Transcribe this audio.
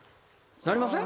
なりません？